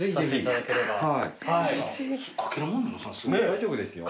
大丈夫ですよ。